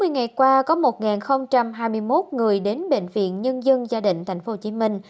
hai mươi ngày qua có một hai mươi một người đến bệnh viện nhân dân gia định thành phố hồ chí minh